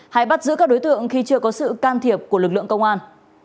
hay bắt giữ các đối tượng khi chưa có sự can thiệp của lực lượng công an